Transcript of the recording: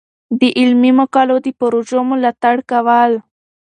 د علمي مقالو د پروژو ملاتړ کول.